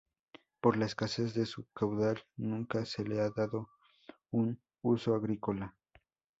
Por la escasez de su caudal, nunca se le ha dado un uso agrícola.